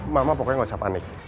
mama pokoknya nggak usah panik